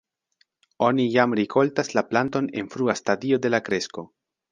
Oni jam rikoltas la planton en frua stadio de la kresko.